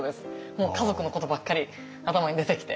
もう家族のことばっかり頭に出てきて。